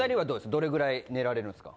どれぐらい寝られるんですか？